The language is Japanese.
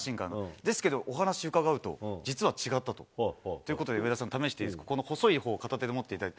ですけど、お話伺うと、実は違ったと。ということで上田さん、試して、この細いほう、片手で持っていただいて。